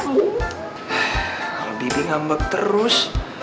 kalau bibi ngambek terus